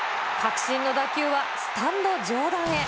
くしんの打球はスタンド上段へ。